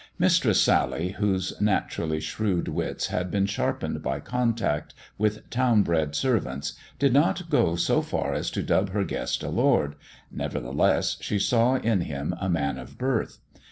Mistress Sally, whose naturally shrewd wits had been sharpened by contact with town bred servants, did not go 80 far as to dub her guest a lord ; nevertheless she saw in him a man of birth.